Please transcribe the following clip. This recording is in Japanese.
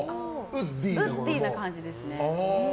ウッディな感じですね。